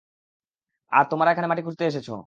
আর তোমরা এখানে মাটি খুঁড়তে এসেছ!